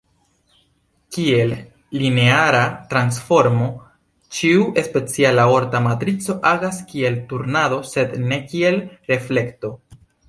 Kiel lineara transformo, ĉiu speciala orta matrico agas kiel turnado sed ne kiel reflekto.